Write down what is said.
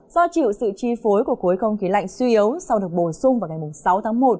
do chịu sự chi phối của khối không khí lạnh suy yếu sau được bổ sung vào ngày sáu tháng một